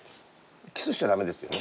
キスしちゃ駄目ですよね。